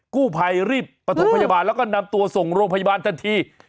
กู้ภัยรีบประถมพยาบาลแล้วก็นำตัวส่งโรงพยาบาลทันที